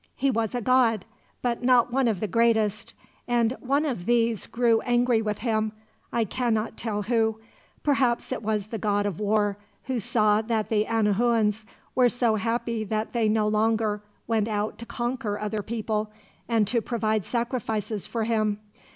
"He was a god, but not one of the greatest, and one of these grew angry with him I cannot tell who. Perhaps it was the god of war, who saw that the Anahuans were so happy that they no longer went out to conquer other people, and to provide sacrifices for him.